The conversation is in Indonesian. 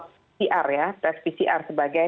pcr ya tes pcr sebagai